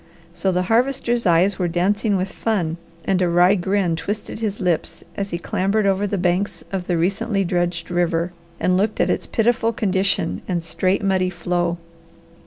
So the Harvester's eyes were dancing with fun and a wry grin twisted his lips as he clambered over the banks of the recently dredged river, and looked at its pitiful condition and straight, muddy flow.